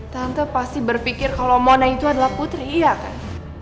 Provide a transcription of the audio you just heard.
tante pasti berpikir kalau mona itu adalah putri iya kan